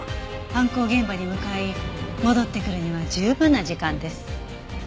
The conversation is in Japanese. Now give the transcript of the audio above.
犯行現場に向かい戻ってくるには十分な時間です。